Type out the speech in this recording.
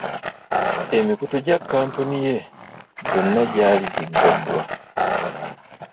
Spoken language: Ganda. Emikutu gya kampuni ye gyonna gyali giggaddwa.